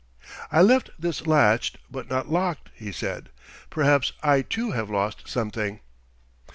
"I left this latched but not locked," he said. "Perhaps I, too, have lost something."